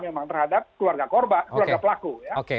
memang terhadap keluarga korba keluarga pelaku